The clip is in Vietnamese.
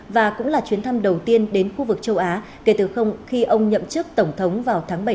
và cũng là chuyến thăm đầu tiên đến khu vực châu á kể từ khi ông nhậm chức tổng thống vào tháng bảy